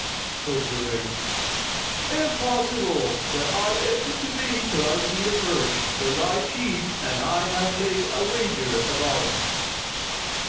Quoth Zurayk, "Impossible that I open to thee till I see the purse; for thy chief and I have laid a wager about it."